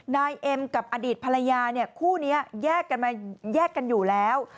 นายเอ็มกับอดีตภรรยาคู่นี้แยกกันอยู่แล้ว